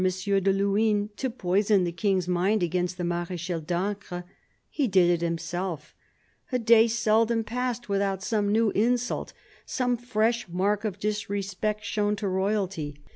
de Luynes to poison the King's mind against the Marechal d'Ancre ; he did it himself. A day seldom passed without some new insult, some fresh mark of disrespect shown to Royalty.